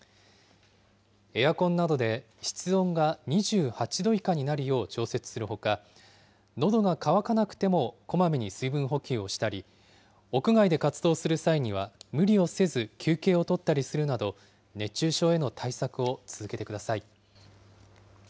エアコンなどで室温が２８度以下になるよう調節するほか、のどが渇かなくてもこまめに水分補給をしたり、屋外で活動する際には無理をせず休憩を取ったりするなど、熱中症への対策を続けてください。